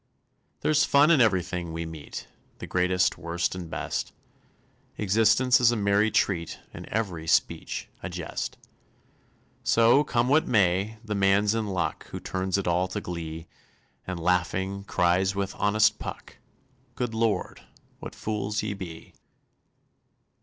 There's fun in everything we meet, The greatest, worst, and best; Existence is a merry treat, And every speech a jest: So, come what may, the man's in luck Who turns it all to glee, And laughing, cries, with honest Puck, "Good Lord! what fools ye be."